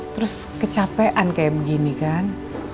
terus kecapean kayak begini kan